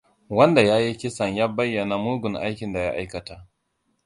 Wanda ya yi kisan ya bayyana mugun aikin da ya aikata.